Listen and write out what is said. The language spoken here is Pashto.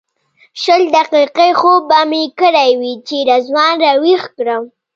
شل دقیقې خوب به مې کړی وي چې رضوان راویښ کړم.